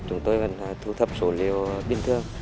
chúng tôi vẫn thu thập số liệu biên thường